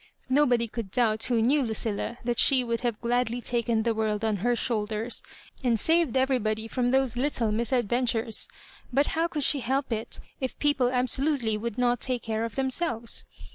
Nobody cotdd doubt who knew Lucilla that she would have gladly taken the world on her shoulders, and saved eveiybody from those little misadven tures ; but how could is^e help it if people abso lutely would not take care of themselves